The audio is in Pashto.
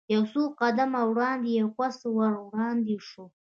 یو څو قدمه وړاندې یو کس ور وړاندې شو.